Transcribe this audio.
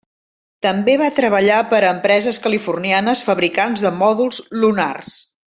També va treballar per a empreses californianes fabricants de mòduls lunars.